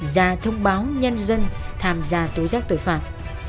ra thông báo nhân dân tham gia tối giác tội phạm